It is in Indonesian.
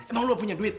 emang lu punya duit